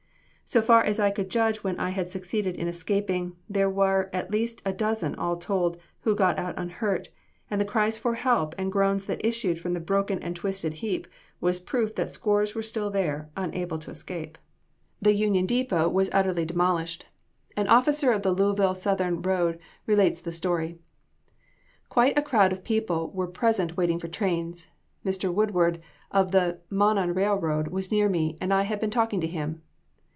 "So far as I could judge when I had succeeded in escaping, there were less than a dozen, all told, who got out unhurt; and the cries for help and groans that issued from the broken and twisted heap was proof that scores were still there, unable to escape." The Union Depot was utterly demolished. An officer of the Louisville Southern Road relates the story: "Quite a crowd of people were present waiting for trains. Mr. Woodard, of the Monon Railroad, was near me, and I had been talking to him.